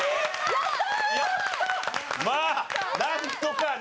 やった！